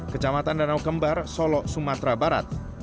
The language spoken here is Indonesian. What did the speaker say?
kecamatan danau kembar solo sumatera barat